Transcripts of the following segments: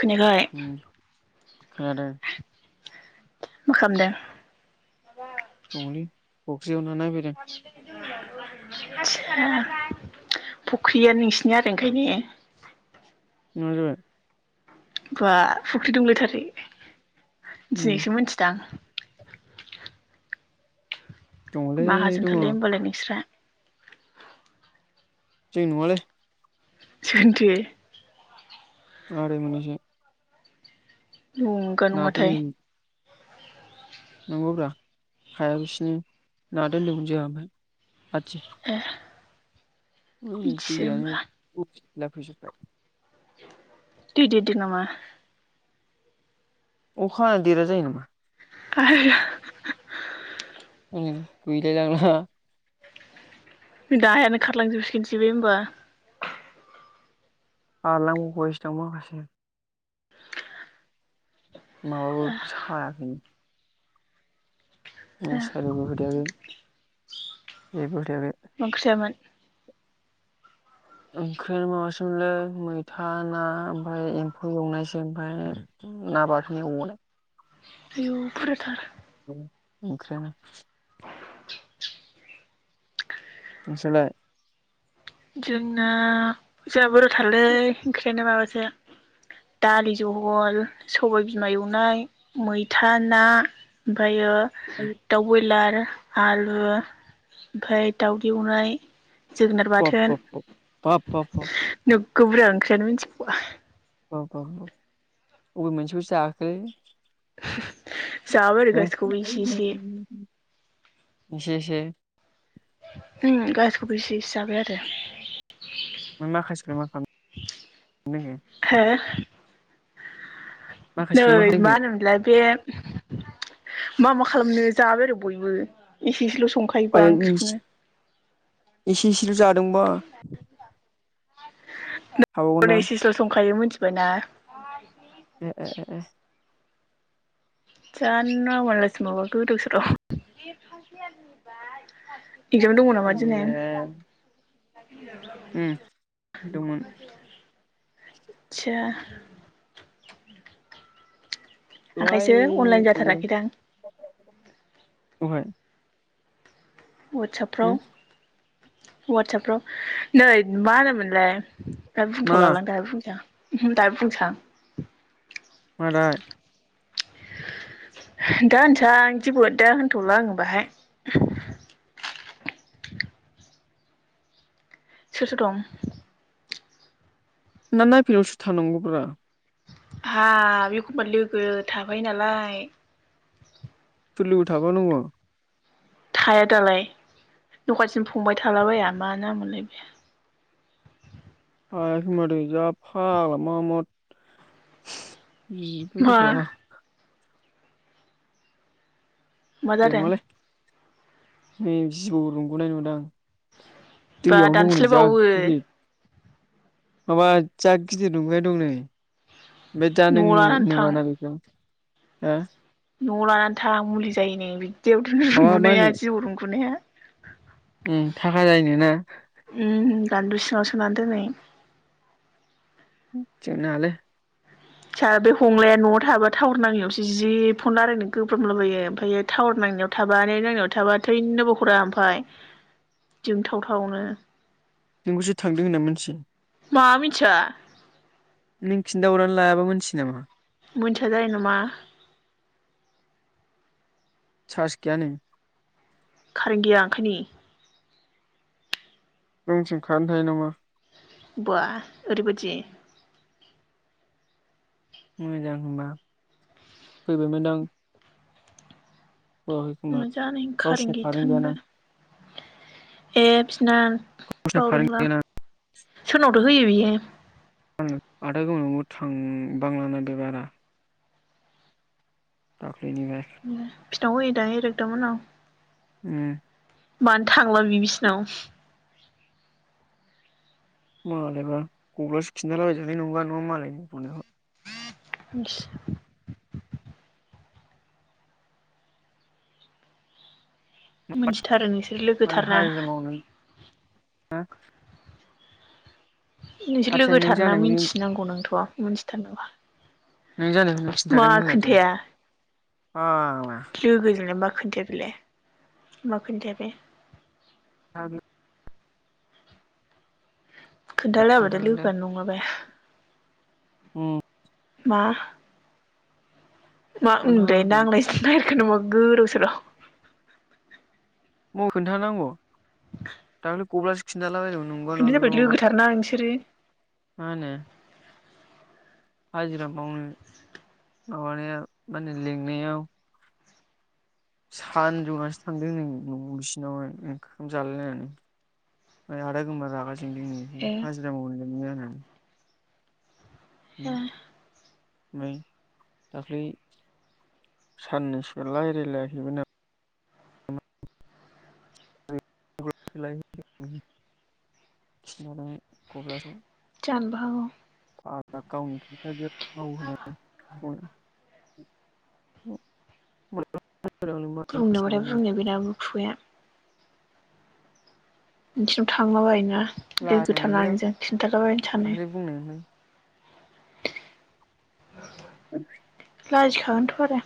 खोनायाखै [unintelligible] खोनादों, मा खालामदों? दंहोलै औ इयावनो नायफैदों, [unintelligible] फख्रिया नोंसिनि आरो ओंखायने [unintelligible] जाबाय। बा फुख्रि दुंलायथारो उम दिनैसो मिथिदां। दङलै माहाजोन दङ थारलै होनोमबालाय नोंस्रा। जोंनि नंआलै। सोरनिथो आरो मोनैसो नंगोना नङाथाय दोनदोंमोन नंगौब्रा हाया बिसिनि [unintelligible] आतसा ए उम बिदिसो दैआनो होमबा [unintelligible] दै देरदो नामा? अखा हाना देरा जायो नामा! [inaudible] [unintelligible] नायानो खारलांजुबसिगोनसो बे होनबा। खारलांबावबायसोदां माखासे। माबाबो सायाखैनो। मा मुसारिबो होथेयाखै जेबो होथेयाखै। मा ओंख्रि जायामोन? ओंख्रैयानो माबासोमोनलै मैथा ना ओमफाय एम्फौ एवनायसो ओमफाय ना बाथोन एवबावनाय। आयौ बुरजाथार। ओंख्रैयानो नोंसालाय? जोंना जाबोर थालै ओंख्रैयानो माबास [unintelligible] दालि जहल सबाय बिमा एवनाय मैथा ना ओमफ्रायो दाउ बयलार आलु ओमफ्राय दाउदै एवनाय। जोगोनार बाब बाथोन। बाब बाब बाब [unintelligible] ओंख्रियानो [unintelligible] अबे मोनसेखो जाखो? जाबाय आरो गासिखौबो एसे एसे [unintelligible] इसे इसे उम गासैखौबो इसे जाबाय आरो। ओमफ्राय माखासेखौलाय मा खालामनो रोंखो हो? नै माखासेखौलाय खालामनो मा रोंखो होनोमोनलाय बे मा मा खालामनो जाबाय आरो बयबो एसे इसेल'स आयै संखायोबा ओंख्रिखौनो। इसे इसेल' जादोंबा थाबावगोनना हनै इसे इसेल' संखायो मोनथि बायना ए ए ए। [unintelligible] गोदाव सोराव [inaudible] एगजाम दङ' नामा दिनै? ए उम दंमोन। आदसा। आंखायसो दहायनो अनलाइन गबोदों जाथाराखैदां। दहाय उम वातसापफ्राव वाटसापफ्राव नै मा होनोमोनलाय? दा मा बुंथ'लालां दायो बुंसै आं। दायो बुंसै आं। मानाय दा होनसै आं जेबो दा होनथ'ला आङो बाहाय। सोर सोर दं? ना ना पिरौसा थानांगौब्रा। हाब एखमबा लोगो थाबाय नालाय। थुलियाव थाब' नांगौ आं। थाया दालाय दखानथिम फंबाय थालाबाया मा न मोनोनलाय बे। [inaudible] मा [inaudible] मा जादों। जेनबालाय नै जिबौ रुंग'नाय नुदां। बा दैयावनो दङ नै जा दानस्लायबावो। गिदिर माबा जा गिदिर दंगाय दं नै। बे जानों न'आव नु लानानै थां नुवाना बेखौ। हा। न'आव लानानै था मुलि जायो बि। देवदुनो माबा मा होनो रुंगुनाया जिउ रुंगुनाया। उम थाखा जायनि ना। औ सना दोनै। जनालाय। स बे हंलाया न'आव थाबा टावार नांनायावसो जि फन रायलायनो गोब्रोमलाबोयो ओमफ्राय टावार नांनायाव थाबा नांनायाव थाबा थैनोबो हरा ओमफफ्राय जोंथाव थावनो। नोंखौसो थांदों होनना मोनथि मा मिथिया नों खिन। दावरनानै लायाबा मिथि नामा। मोनथिया जायो नामा। सास गैयानो। खार गैया खालि। रोंथिं खारेन थायो नामा। बा ओरैबायदि। मोजां होनबा फैबाय मोनदां मा जानायनि खारेन गैया गैयाना थानागौ जाखो एप्स ना गावसिना कारेन्ट बावदोंला गैयाना सोरनावथ' होयो बियो [inaudible] आदा गावनावबो थांबांलाना बे बारा औ बेनिफाय दाव ए दाव एरदमोन आं उम मानो थांला बि बिसिनाव मालायबा गग्लासो खिन्थालाबायजानाय नंङा नङा मालायनि बुंनाय [inaudible] मोनथिथारो नोंसोर लोगोथारना हा नोंसोर नों लोगोथारना जानायखौ नों मिथिनांगौ नोंथ' मिथिथारनांग नों जानायखौ नों खिन्थागोन होनलाय दे मा लोगोजोंलाय मा खो खोन्थाया बेलाय मा खोन्थाया बे आरो खोन्थालायाबाथाय खोन्थागोन लोगोआनो नङा बे ओम मा मा होनदोंथाय खोन्थागोन नांलायनोसो नागिरखो नामा गोदाव सोराव म खोन्थानांगौ दाखालि गब्लासो खिन्थाला बायदोंमोनो बेनो जाबाय लोगोथारना नोंसोरो मा होनो हाजिरा मावनो माबानाया माने लिंनायाव सानजौनासो थांदों नो न' बिसिनावहाय ओंखाम जालायलायनानै ओमफ्राय आदा गोमबोरा रागा [inaudible] हाजिरा मावनो [inaudible] ओ ओमफ्राय दाख्लै साननैसो रायजायलायाखैमोन नो [inaudible] जानोबो हागौ [inaudible] औ [inaudible] बुंनोबाथाय बुंनो बेनाबो खुुगाया नोंसिनाव थांलाबायोना लोगो लाजिनाय जाथारला मोनदोंदां आङो खिन्थाखाबायगोन सानो दाखालि बुंनायावनो [inaudible] लाजिखागोनथ आरो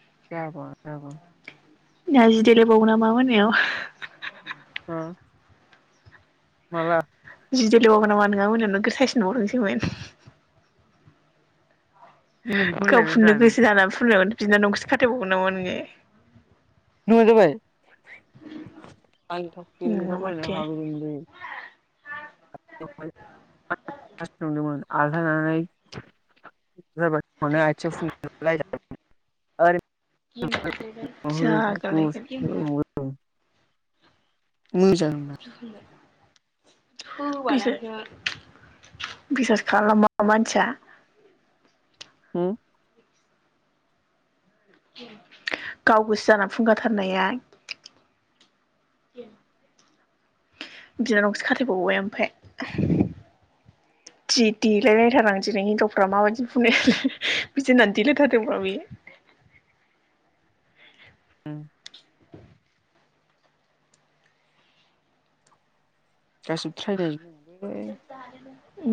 [inaudible] दासो देलाय बावो नामा मोनायाव मा माला [inaudible] मिनिनोसो गाव मोनलायबायब्रा फुननो नङा गोसो जानानानै फुननायाव बिनानावखौसो खाथायबावो नामा नोङो [unintelligible] आं नङा माथो [unintelligible] संदोंमोन आलथा लानानै जाबाय [unintelligible] आरो जाग्रालायगोन गुसु मोजां [unintelligible] बिसास खालामा मानसिया उ गाव गोसो जाना फुंगाथारनाया बिनानावखोसो खाथेबावबाय ओमफाय। जि देलायलायथार आं दिनै हिनजावफ्रा माबायदि बुंदों बिदि होननानै देलायथारदोंब्रा बियो। गासिबो थ्रायनायजोबो [inaudible] उ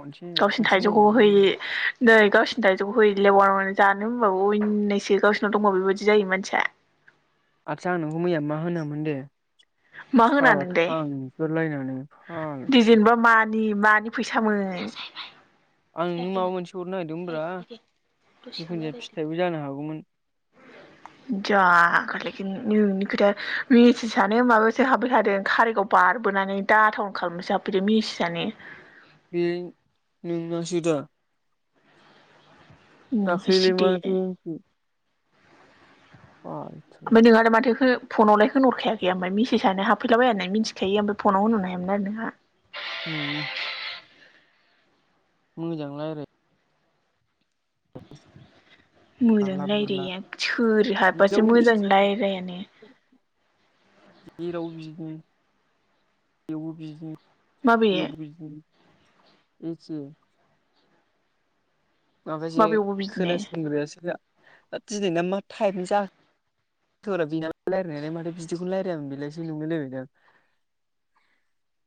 खनसे गावसिनि खनसे थाइजौखौबो नागिरबाय होयै नै गावसिनि थाइ जौ हैलाय बावानामा नों जानो होनबाबो अननायसो गावसोरनाव दंबा बेबायदि जायो मानसिया आदसा आं नोंखौ मैया मा होनोमोन दे मा होना साला नोंलाय थांगोरलायनानै फालतु दिजेनबा मानि मानि फैसामोन आं नों माबा मोनसे हरनो नागिरदोंमोनब्रा। जिखुन जाया फिथाइबो जानो हागौमोन जागारलायगोन नोंनि खोथाया मेसिसआनो माबासो हाबफै थादों खारिगाव बारबोनानै दाथावनो खालामनोसो हाबफैद मेसिसानो बे नोंनासोदा दाख्लै लाय मा सिदे [unintelligible] मखि ओमफ्राय नों आरो माथो खो फनलाय होनहरखायाखै ओमफ्राय मसेजआनो हाफैलाबाय होननानै मिथिखायो ओमफ्राय फ'नाव होनरनो हायामोन आरो नोंहा औ मोजां रायलाय मोजां जारला बुरला रायलाया सोर हाबासो जेरावबो मोजां बिदिनो रायलायानो जेरावबो बिदिनो माबे जेरावबो बिदिनो [unintelligible] एखे माखासे माबेयावबो बिदिनो खोनासंग्रायासो दा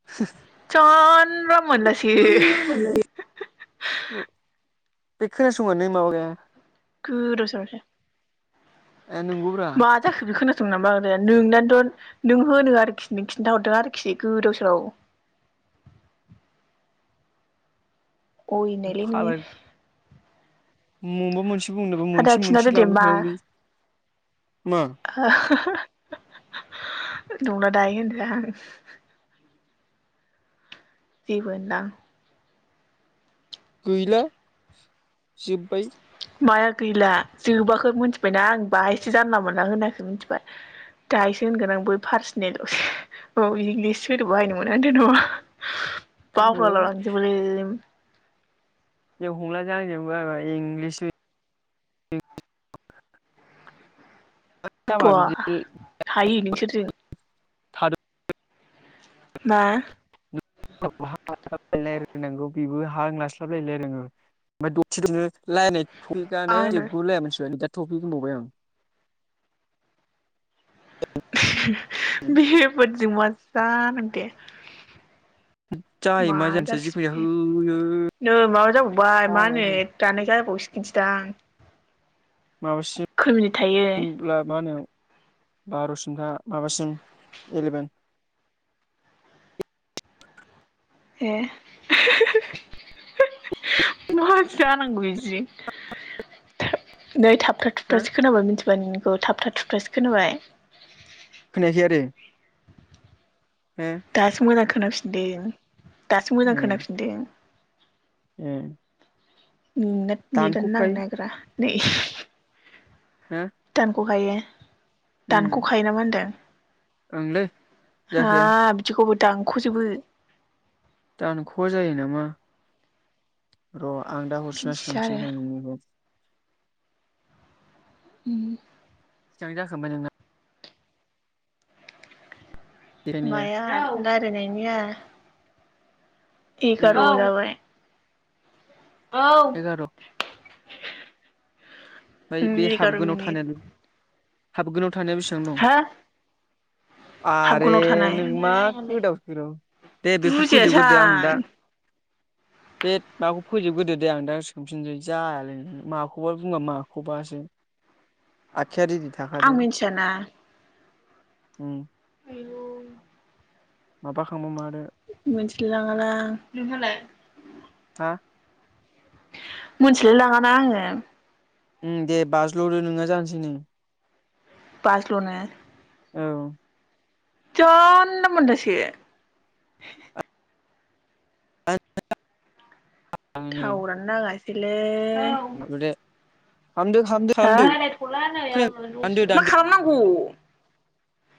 [unintelligible] [unintelligible] दां [unintelligible] बे खोनासंनानै माबाग्राया गोदाव सोरावसो ए नोंगौब्रा दं नामा ओ नोंनाथ' नों होनो आरोखि नों खिन्थाहरदों आरोखि गोदाव सोराव अय नायलै नोंयो म म मोनसे बुंनोबो आदा मोनसे खिन्थादो मोनसे दे लांबाय मा थानांगौलै मा [unintelligible] नंला दाहाय होनदों आं जेबो होनलां गैला जोब्बाय माया गैला जोबाखो मिथिबायना आं बाहायसो जानला मोनला होनाखो मिथिबाय दाहायसो होनगोन आं बै पार्सनेलावसो औ इंलिस सोदोब बाहायनो मोना होनदों नामा बावलाला लांजोबोलै जों हमलाजों आंजोंबो इंलिसनि [unintelligible] जाबा बवा बिदि हायो नोंसोरजों थादों मा [unintelligible] बेबो हा लास्लाबलायलाय रोङो ओमफ्राय दसे आंनो दङो रायलाय [unintelligible] टपिक होनबावबाय आं बे बादि जों मा जानांगौ दे जायो मा जानोसै जाखोसै जिखुनु जाया बेलाय होयो नै माबा जाबावबाय मा होनो फाग्लासो दानाय जाबावसि मिनथिदां माबासिमब्ला मा होनो बार'सिमथा माबासिम इलेभेन ए मा जानांगौ बिदिजों नै थाबथा हो थुबुथासो खोनाबाय मिथिबाय नोंनि खौ थाबथाब थुुबथासो खोनाबाय खोनायाखै आरो हो दासो मोजां खोनाफिनदों दासो मोजां खोनाफिनदों ओ नोंना नेट आनो नांनोनागिरा नै हो दानख खायो उम दानख'खायो ना होनदों ओंलै जायखिया हाब बिदिखौ दानख'जोबो दानख जायो नामा र आं दा हरसिनबना बिदिसो आरो सोंफिनसै आ नोंनिखौ उ बेसेबां जाखांबाय नोंना देलायनाया माया रायलायनायनिया उम [unintelligible] एगार' औ ओमफ्राय बे एगार' हाबगोनाव मिनिट थानायानो हाबगोन थानाया बेसेबां दं हा आरे हाबगनाव थानाय नों मा गोदाव सोर राव दे बेखौ फोजोबग्रोदो आं दा बुजियासां बे माखौ फोजोबग्रदो दे आं दा सोंफिनसै जायालै माखौबा बुङा मा खौ बासो रिदि आं थाखादो मिथियाना [unintelligible] जिरु माबा खांबा मिथिलाय लाङा लां हा मोनथिलाय लाङाना आङो। दे बाज्ल'दो नोङा जानोसैनो बाज्ल'नो औ जानला मानला सो [unintelligible] आं नै थावरानो नाङा [unintelligible] [unintelligible] औ दानदो दानदो हा दानदो रायलायथ'ला नै आङो खोनायाखै न' दानदो सिबिनांगौ। मा दानदो खालामनांगौ?